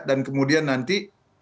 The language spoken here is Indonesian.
dan kemudian nanti